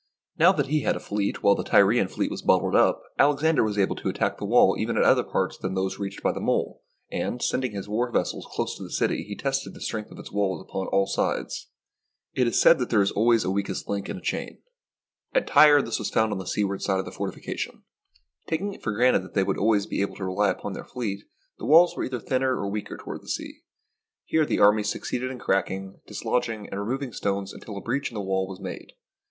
Now that he had a fleet while the Tyrian fleet was bottled up, Alexander was able to attack the wall even at other parts than those reached by his mole, and, sending his war vessels close up to the city, he tested the strength of its walls upon all sides. It is said that there is always a weakest link in a 1) u s l g X < SIEGE OF TYRE chain. At Tyre this was found on the seaward side of the fortification. Taking it for granted that they would always be able to rely upon their fleet, the walls were either thinner or weaker toward the sea. Here the armies succeeded in cracking, dislodging, and removing stones until a breach in the wall was made.